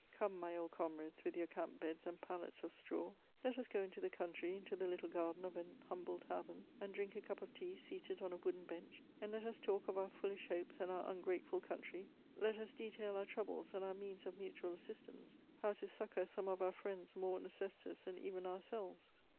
Come, my old comrades, with your camp beds and pallets of straw ; let us go into the country, into the little garden of an humble tavern, and drink a cup of tea seated on a wooden bench, and let us talk of our foolish hopes, and our ung^teful country ; let us detail our troubles and our means of mutual as , sistance — how to succour some of our friends more necessitous than even ourselves.